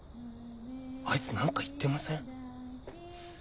あいつ何か言ってません？